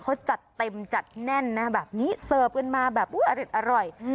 เขาจัดเต็มจัดแน่นนะแบบนี้เสิร์ฟกันมาแบบอุ้ยอร่อย